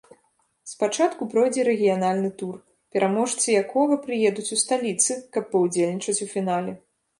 Спачатку пройдзе рэгіянальны тур, пераможцы якога прыедуць у сталіцы, каб паўдзельнічаюць у фінале.